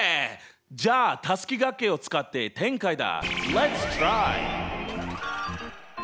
じゃあたすきがけを使って展開だ！